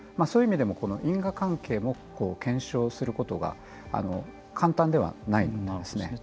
そういう意味でも因果関係を検証することが簡単ではないんですね。